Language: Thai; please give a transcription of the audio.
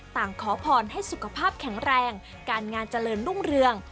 ขอพรให้สุขภาพแข็งแรงการงานเจริญรุ่งเรือง